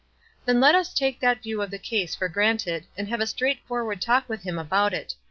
"Then let us take that view of the case for granted, and have a straightforward talk with him about it.